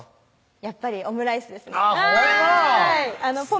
やっぱりオムライスですねほんま